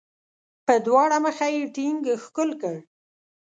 په دواړه مخه یې ټینګ ښکل کړ.